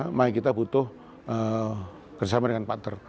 namanya kita butuh bersama dengan partner